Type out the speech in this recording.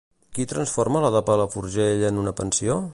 Qui transforma la de Palafrugell en una pensió?